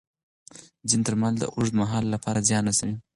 ځینې درمل د اوږد مهال لپاره زیان رسوي.